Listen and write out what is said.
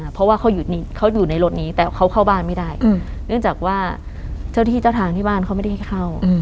เพราะว่าเขาอยู่ในรถนี้แต่เขาเข้าบ้านไม่ได้เนื่องจากว่าเจ้าที่เจ้าทางที่บ้านเขาไม่ได้ให้เข้า